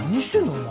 お前。